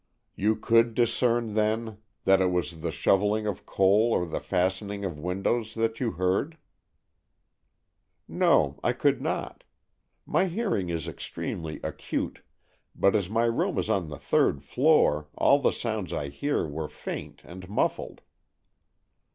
"You could discern, then, that it was the shovelling of coal or the fastening of windows that you heard?" "No, I could not. My hearing is extremely acute, but as my room is on the third floor, all the sounds I heard were faint and muffled."